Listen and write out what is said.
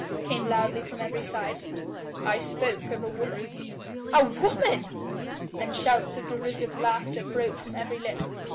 came loudly from every side. "I spoke of a woman." "A woman!" And shouts of derisive laughter broke from every lip.